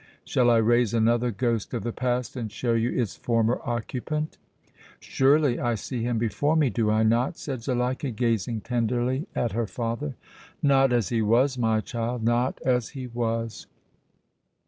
Shall I raise another ghost of the past and show you its former occupant?" "Surely, I see him before me, do I not?" said Zuleika, gazing tenderly at her father. "Not as he was, my child, not as he was.